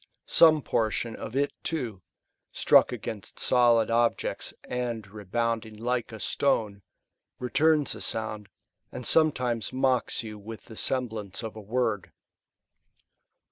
Some portion of it /^o, struck against solid objects, and rebounding like a stone,^ returns a sound, and sometimes mocks you with the semblance of a word.